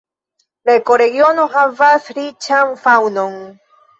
La ekoregiono havas riĉan faŭnon.